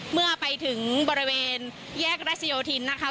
เมื่อไปถึงบริเวณแยกรัชโยธินนะคะ